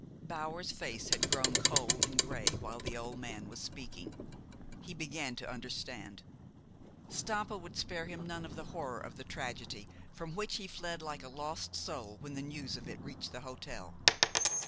Bower's face had grown cold and gray while the old man was speaking. He began to understand. Stampa would spare him none of the horror of the tragedy from which he fled like a lost soul when the news of it reached the hotel.